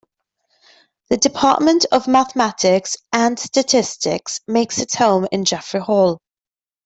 The Department of Mathematics and Statistics makes its home in Jeffery Hall.